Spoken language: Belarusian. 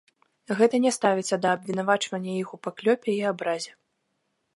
Гэта не ставіцца да абвінавачвання іх у паклёпе і абразе.